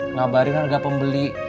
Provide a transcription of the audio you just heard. ngabarin harga pembeli